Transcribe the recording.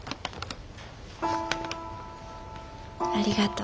ありがとう。